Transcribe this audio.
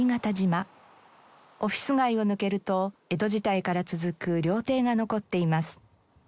オフィス街を抜けると江戸時代から続く料亭が残っています。